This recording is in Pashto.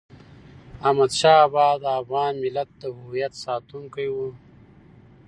احمد شاه بابا د افغان ملت د هویت ساتونکی و.